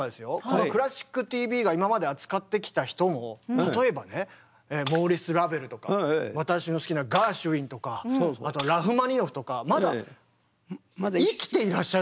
この「クラシックＴＶ」が今まで扱ってきた人も例えばねモーリス・ラヴェルとか私の好きなガーシュウィンとかあとラフマニノフとかまだ生きていらっしゃる時。